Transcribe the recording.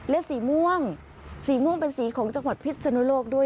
และสีม่วงสีม่วงเป็นสีของจังหวัดพิษนุโลกด้วย